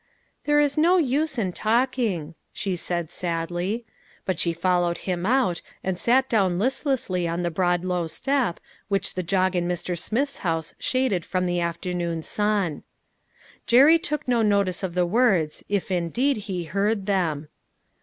" There is no use in talking," she said, sadly. But she followed him out, and sat down list lessly on the broad low step, which the jog in Mr. Smith's house shaded from the afternoon sun. Jerry took no notice of the words if indeed he heard them.